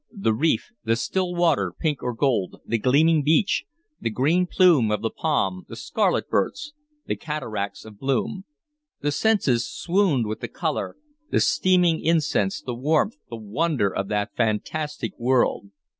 The reef, the still water, pink or gold, the gleaming beach, the green plume of the palm, the scarlet birds, the cataracts of bloom, the senses swooned with the color, the steaming incense, the warmth, the wonder of that fantastic world.